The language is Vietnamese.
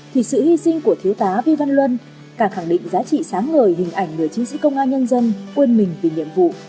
thì sự hy sinh của thiếu tá vi văn luân càng khẳng định giá trị sáng ngời hình ảnh người chiến sĩ công an nhân dân quên mình vì nhiệm vụ